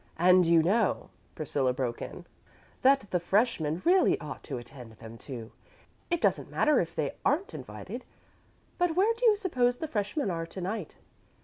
"And you know," Priscilla broke in, "that the freshmen really ought to attend them too it doesn't matter if they aren't invited. But where do you suppose the freshmen are to night?